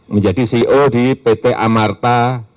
menjadi ceo di pt amarta